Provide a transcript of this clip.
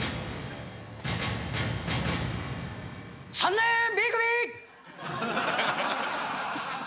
３年 Ｂ 組！